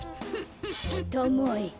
きたまえ。